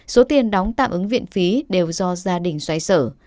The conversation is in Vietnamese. số tiền đóng tạm ứng viện phí đều do gia đình xoay sở